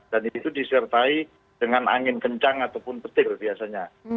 dan itu disertai dengan angin kencang ataupun petir biasanya